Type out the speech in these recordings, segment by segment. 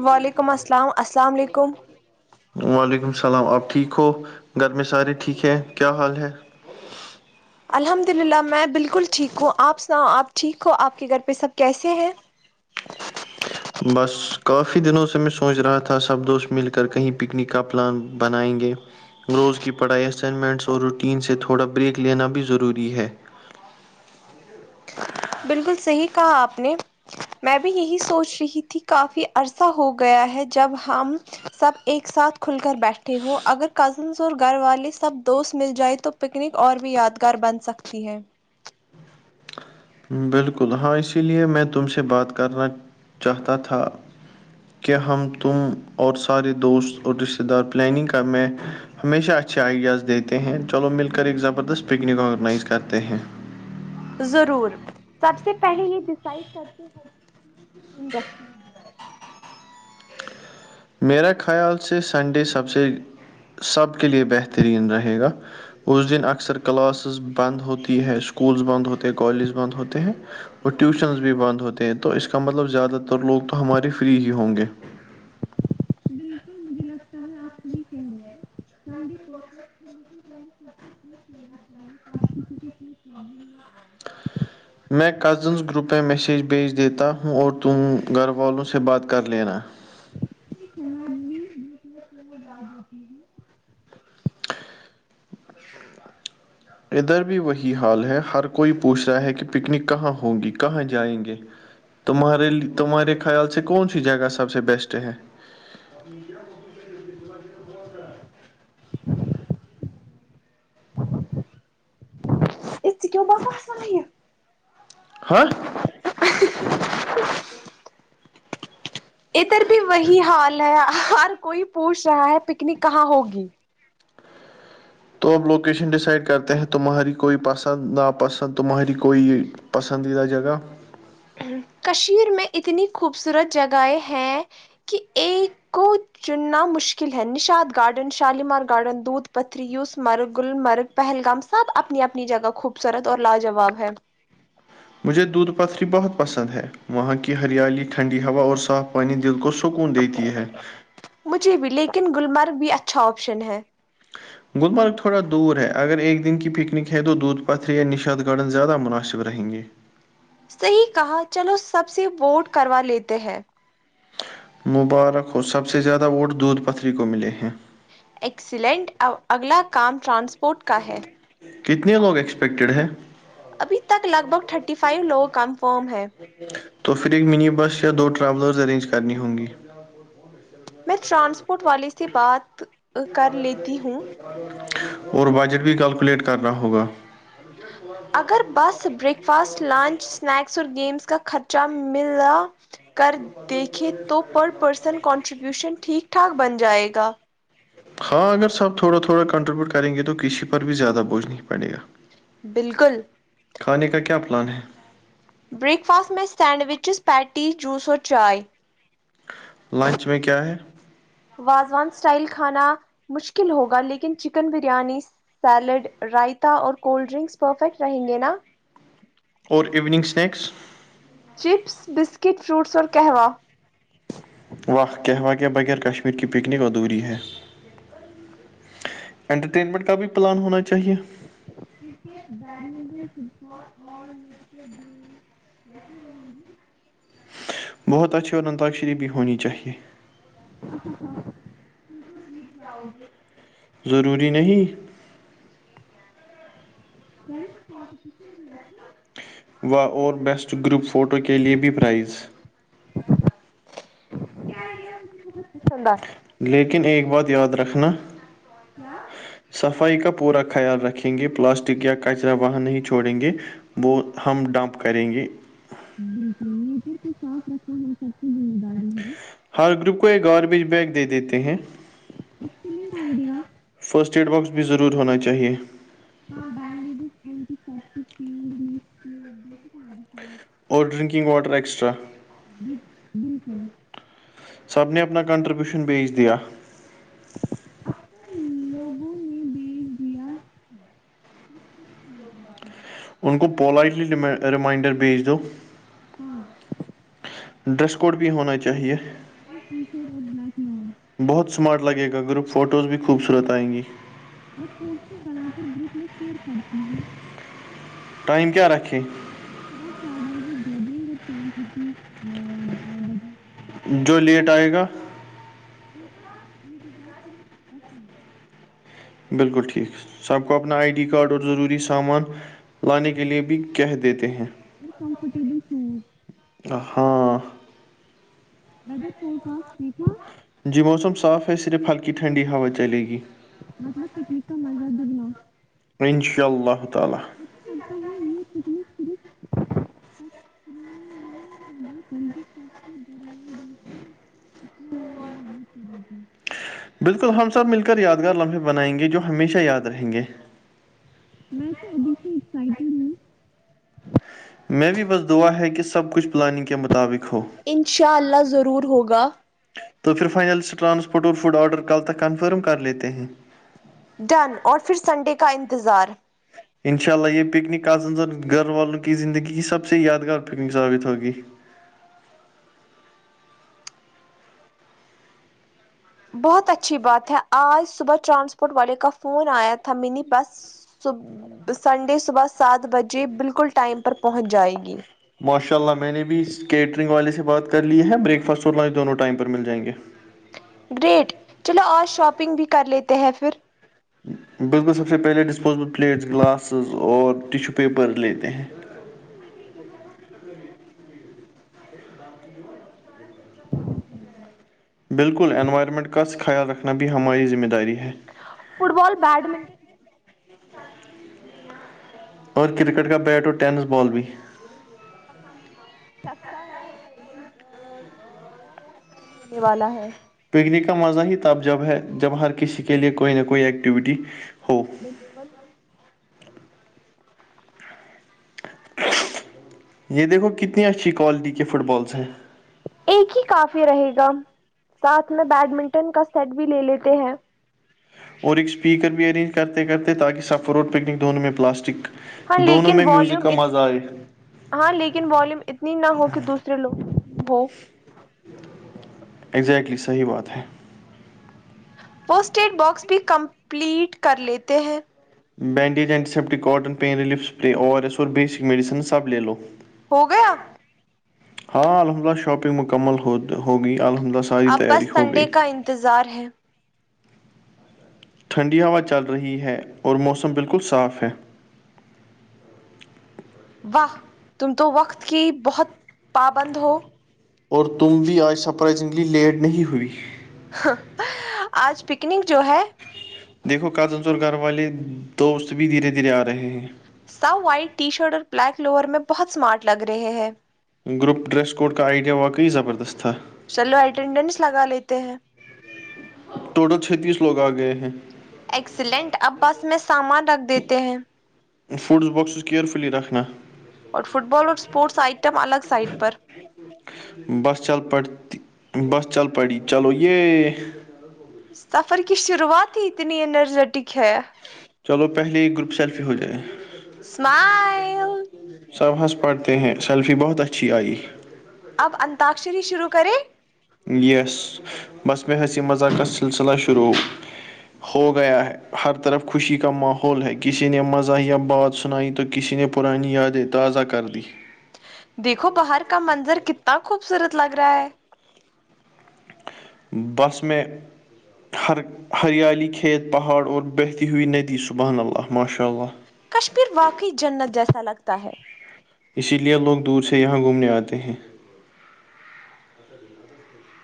وعلیکم السلام السلام علیکم وعلیکم اسلام آپ ٹھیک ہو گھر میں سارے ٹھیک ہیں کیا حال ہے الحمد اللہ میں بالکل ٹھیک ہوں آپ سناؤ آپ ٹھیک ہو آپ کے گھر پہ سب کیسے ہیں بس کافی دنوں سے میں سوچ رہا تھا سب دوست مل کر کہیں پکنک کا پلان بنائیں گے روز کی پڑھائی اسائینگمنٹس اور روٹین سے تھوڑا بریک لینا بھی ضروری ہے بالکل صحیح کہا آپ نے میں بھی یہی سوچ رہی تھی کہ کافی عرصہ ہو گیا ہے جب ہم سب ایک ساتھ کھل کر بیٹھے ہو اگر کزنس اور گھر والے سب دوست مل جائے تو پکنک اور بھی یادگار بن سکتی ہے بالکل ہاں اسی لیے میں تم سے بات کرنا چاہتا تھا کہ ہم تم اور سارے دوست اور رشتے دار پلاننگ کرنے ہمیشہ اچھے آئیڈیاز دیتے ہیں چلو مل کر ایک زبردست پکنک آرگنائز کرتے ہیں ضرور سب سے پہلے یہ ڈیسائڈ کرتے ہیں کہ انڈسٹی ہے میرا خیال سے سنڈے سب سے سب کے لیے بہترین رہے گا اس دن اکثر کلاسس بند ہوتی ہے اسکولس بند ہوتے ہیں کالجز بند ہوتے ہیں اور ٹیوشنز بھی بند ہوتے ہیں تو اس کا مطلب زیادہ تر لوگ تو ہمارے فری ہی ہوں گے بالکل مجھے لگتا ہے آپ صحیح کہہ رہے ہیں [unintelligible] میں کزینس گروپ میں میسیج بھیج دیتا ہوں اور تم گھر والوں سے بات کر لینا [unintelligible] پھول ڈال دیتی ہوں. ادھر بھی وہی حال ہے ہر کوئی پوچھ رہا ہے کہ پکنک کہاں ہوں گی کہاں جائیں گے تمہارے تمہارے خیال سے کونسی جگہ سب سے بیسٹ ہے [unintelligible] اس سے کیوں بہت [unintelligible] ہاں ادھر بھی وہی حال ہے ہر کوئی پوچھ رہا ہے پکنک کہاں ہوگی تو اب لوکیشن ڈیسائڈ کرتے ہیں تمہاری کوئی پسند ناپسند تمہاری کوئی پسندیدہ جگہ کشمیر میں اتنی خوبصورت جگہیں ہیں کہ ایک کو چننا مشکل ہے نشاد گارڈن شالیمار گارڈن دودھ پتری یوس مرگل مرگ پہلگام سب اپنی اپنی جگہ خوبصورت اور لاجواب ہے مجھے دودھ پتری بہت پسند ہے وہا ں کی ہریالی ٹھنڈی ہوا اور صاف پانی دل کو سکون دیتی ہے مجھے بھی لیکن گلمرگ بھی اچھا آپشن ہے گلمرگ تھوڑا دور ہے اگر ایک دن کی پکنک ہے تو دودھ پتھر یا نشاط گارڈن زیادہ مناسب رہیں گے صحیح کہا چلو سب سے ووٹ کروا لیتے ہیں مبارک ہو سب سے زیادہ ووٹ دودھ پتری کو ملے ہیں ایکسیلینٹ آ اگلا کام ٹرانسپورٹ کا ہے کتنے لوگ ایکسپیکٹیڈ ہیں ابھی تک لگ بھگ تھرٹی فائیو لوگ کنفرم ہے [unintelligible] تو پھر ایک منی بس یا دو ٹراولرز ارینج کرنی ہوں گی میں ٹرانسپورٹ والے سے بات کر لیتی ہوں اور بجٹ بھی کلکولیٹ کرنا ہوگا اگر بس بریک فاسٹ لنچ اسنیکس اور گیمس کا خرچہ ملا کر دیکھیں تو پر پرسن کنٹریبیوشن ٹھیک ٹھاک بن جائے گا ہاں اگر سب تھوڑا تھوڑا کنٹریبیوٹ کریں گے تو کسی پر بھی زیادہ بوجھ نہیں پڑے گا بالکل کھانے کا کیا پلان ہے بریک فاسٹ میں سینڈوچز پیٹی جوس اور چائے لنچ میں کیا ہے وازوان اسٹائل کھانا مشکل ہوگا لیکن چکن بریانی سیلڈ رائتا اور کولڈ ڈرنکس پرفیکٹ رہیں گے نا اور evening snacks chips biscuit fruits اور کہواں واہ کہوا ہ کے بغیر کشمیر کی پکنک ادھوری ہے انٹرٹینمنٹ کا بھی پلان ہونا چاہیے کرکٹ بیڈمنٹن فٹ بال اور نیڈ گیم کیسی رہیں گی بہت اچھی اور انتاکشیری بھی ہونی چاہیے میں تو جیت جاؤں گی ضروری نہیں ڈن کومپیٹیشن بھی رکھے وا اور بیسٹ گروپ فوٹو کے لیے بھی پرائز یہ مجھے بہت پسند آتی لیکن ایک بات یاد رکھنا کیا صفائی کا پورا خیال رکھیں گے پلاسٹک یا کچرا وہاں نہیں چھوڑیں گے وہ ہم ڈمپ کریں گے بالکل نیچر کو صاف رکھنا ہم سب کی ذمہ داری ہے ہر گروپ کو ایک گاربیج بیگ دے دیتے ہیں فرسٹ ایڈ باکس بھی ضرور ہونا چاہیے ہاں bandages antiseptic pain relief اور ڈرنکنگ واٹر ایکسٹرا سب نے اپنا کنٹریبیوشن بیچ دیا [unintelligible] ان کو پولائٹلی ری ریمائنڈر بھیج دو ڈریس کوڈ بھی ہونا چاہیے [unintelligible] بہت سمارٹ لگے گا گروپ فوٹوز بھی خوبصورت آئیں گی اور فوٹوز برابر گروپ میں شیئر کرتی ہوں ٹائم کیا رکھے [unintelligible] صبح سات بجے جو لیٹ آئے گا [unintelligible] بالکل ٹھیک سب کو اپنا آئی ڈی کارڈ اور ضروری سامان لانے کے لیے بھی کہہ دیتے ہیں ہاں [unintelligible] جی موسم صاف ہے صرف ہلکی ٹھنڈی ہوا چلے گی مطلب پکنک کا مزہ دگنا ہو ان شاء اللہ تعالی ہمیں لگتا ہے یہ پکنک صرف [unintelligible] بالکل ہم سب مل کر یادگار لمحے بنائیں گے جو ہمیشہ یاد رہیں گے میں تو ابھی سے اسائیٹڈ ہوں میں بھی بس دعا ہے کہ سب کچھ پلاننگ کے مطابق ہو انشاء اللہ ضرور ہوگا تو پھر فائنل سے ٹرانسپورٹ اور فوڈ آرڈر کل تک کنفرم کر لیتے ہیں ڈن اور پھر سنڈے کا انتظار انشاء اللہ یہ پکنک آز گھر والوں کی زندگی کی سب سے یادگار پکنک ثابت ہوگی بہت اچھی بات ہے آج صبح ٹرانسپورٹ والے کا فون آیا تھا منی بس صب سنڈے صبح سات بجے بالکل ٹائم پر پہنچ جائے گی ماشاء اللہ میں نے بھی اس کیٹرنگ والے سے بات کر لی ہے بریک فاسٹ اور لنچ دونوں ٹائم پر مل جائیں گے گریٹ چلو آج شاپنگ بھی کر لیتے ہیں پھر بالکل سب سے پہلے ڈسپوزیبل پلیٹس گلاسز اور ٹشو پیپر لیتے ہیں [unintelligible] [inaudible] بالکل انوائرمنٹ کا خیال رکھنا بھی ہماری ذمہ داری ہے فٹ بال بیڈمینٹن اور کرکٹ کا بیٹ اور ٹینس بال بھی [unintelligible] ہونے والا ہے پکنک کا مزہ ہی تب جب ہے جب ہر کسی کے لیے کوئی نہ کوئی ایکٹیویٹی ہو بالکل یہ دیکھو کتنی اچھی کوالٹی کے فٹ بالس ہیں ایک ہی کافی رہے گا ساتھ میں بیڈمنٹن کا سیٹ بھی لے لیتے ہیں اور ایک اسپیکر بھی ارینج کرتے کرتے تاکہ سف روڈ پکنک دونوں میں پلاسٹک ہاں دونوں لیکن میں میوزک والیوم کا مزا آئے ہاں لیکن ولیوم اتنی نہ ہو کہ دوسرے لوگ ہو اگزیکٹلی صحیح بات ہے فوسٹ ایڈ باکس بھی کمپلیٹ کر لیتے ہیں bandage antiseptic cotton pain relief spray O R S اور بیسک میڈسنز سب لے لو ہو گیا ہاں الحمدلہ شاپنگ مکمل ہو ہوگی الحمد لہ اب بس سنڈے کا انتظار ہے ٹھنڈی ہوا چل رہی ہے اور موسم بالکل صاف ہے واہ تم تو وقت کی بہت پابند ہو اور تم بھی آج سرپرائزنگلی لیٹ نہیں ہوئی آج پکنک جو ہے دیکھو کازن چور گھر والے دوست بھی دھیرے دھیرے آ رہے ہیں سب وائٹ ٹی شرٹ اور بلیک لوور میں بہت اسمارٹ لگ رہے ہیں گروپ ڈریس کوڈ کا آئیڈیا واقعی زبردست تھا چلو اٹینڈنس لگا لیتے ہیں ٹوٹل چھتییس لوگ آ گئے ہیں ایکسلینٹ اب بس میں سامان رکھ دیتے ہیں فوڈس باکسز کیئرفلی رکھنا اور فٹ بال اور اسپورٹس آئٹم الگ سائٹ پر بس چل پڑ بس چل پڑ چلو یہ سفر کی شروعات ہی اتنی اینرجیٹک ہے چلو پہلے گروپ سیلفی ہو جائے اسمائل سب ہنس پڑھتے ہیں سیلفی بہت اچھی آئی اب ا انتاکشری شروع کریں یس بس میں حسی مذاقس کا سلسلہ شروع ہو گیا ہے ہر طرف خوشی کا ماحول ہے کسی نے مزہ یا بات سنائی تو کسی نے پرانی یادیں تازہ کر دیں دیکھو باہر کا منظر کتنا خوبصورت لگ رہا ہے بس میں ہر ہریالی کھیت پہاڑ اور بہتی ہوئی ندی سبحان اللہ ماشاء اللہ کشمیر واقع جنت جیسا لگتا ہے اسی لیے لوگ دور سے یہاں گھومنے آتے ہیں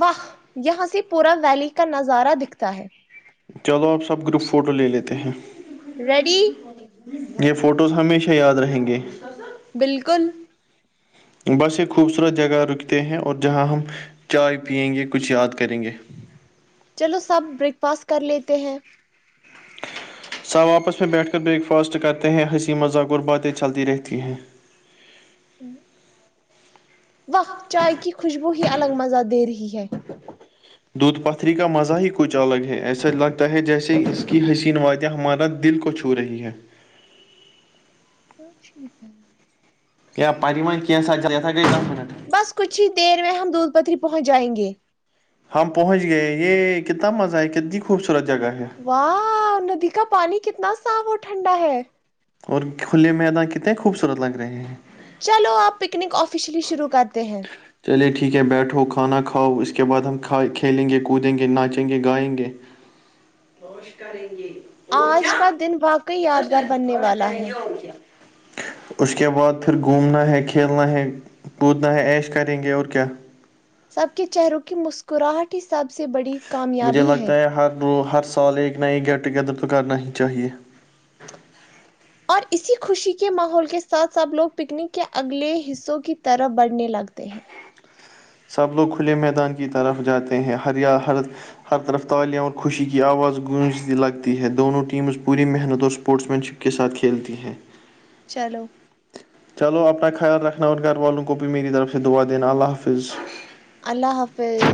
واہ یہاں سے پورا ویلی کا نظارہ دکھتا ہے چلو آپ سب گروپ فوٹو لے لیتے ہیں ریڈی یہ فوٹوز ہمیشہ یاد رہیں گے بالکل بس یہ خوبصورت جگہ رکتے ہیں اور جہاں ہم چائے پیئیں گے کچھ یاد کریں گے چلو سب بریک فاسٹ کر لیتے ہیں سب آپس میں بیٹھ کر بریک فاسٹ کرتے ہیں ہنسی مذاق اور باتیں چلتی رہتی ہیں کیا واہ چائے کی خوشبو ہی الگ مزہ دے رہی ہے دودھ پتری کا مزہ ہی کچھ الگ ہے ایسا لگتا ہے جیسے اس کی حسین وادیاں ہمارا دل کو چھ ہو رہی ہے [unintelligible] [unintelligible] بس کچھ ہی دیر میں ہم دودھ پتری پہنچ جائیں گے ہم پہنچ گئے یہ کتنا مزہ ہے کتنی خوبصورت جگہ ہے واہ ندی کا پانی کتنا صاف اور ٹھنڈا ہے اور کھلے میدان کتنے خوبصورت لگ رہے ہیں چلو آپ پکنک آفیشلی شروع کرتے ہیں چلیے ٹھیک ہے بیٹھو کھانا کھاؤ اس کے بعد ہم کھ کھیلیں گے کودیں گے ناچیں گے گائیں گے موچ کریں گے آج کا دن واقع یادگار بننے والا ہے اس کے بعد پھر گھومنا ہے کھیلنا ہے کودنا ہے عیش کریں گے اور کیا سب کے چہروں کی مسکراہٹ ہی سب سے بڑی مجھے لگتا ہے ہر رو ہر سال ایک نہ ایک گیٹ ٹوگیدر تو کرنا ہی چاہیے اور اسی خوشی کے ماحول کے ساتھ سب لوگ پکنک کے اگلے حصوں کی طرف بڑھنے لگتے ہیں سب لوگ کھلے میدان کی طرف جاتے ہیں ہر یا ہر ہر طرف تالیا اور خوشی کی آواز گونجتی لگتی ہے دونوں ٹیمز پوری محنت اور اسپورٹس مین شپ کے ساتھ کھیلتی ہیں چلو چلو اپنا خیال رکھنا اور گھر والوں کو بھی میری طرف سے دعا دینا اللہ حافظ اللہ حافظ